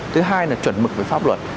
thứ hai là chuẩn mực về pháp luật